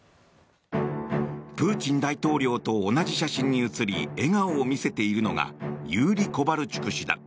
プーチン大統領と同じ写真に写り笑顔を見せているのがユーリ・コバルチュク氏だ。